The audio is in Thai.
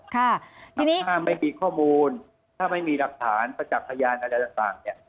ถ้าไม่มีข้อมูลถ้าไม่มีดักฐานประจักษ์พยานอะไรต่าง